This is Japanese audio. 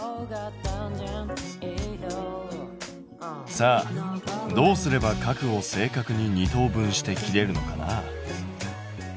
さあどうすれば角を正確に二等分して切れるのかな？